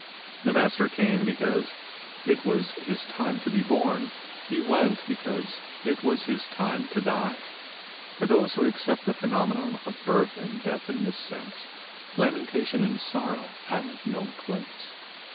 The Master came, because it was his NATURE CAN DO NO WRONa 83 time to be bom ; he went, because it was his time to die. For those who accept the pheno menon of birth and death in this sense, lamenta tion and sorrow have no place.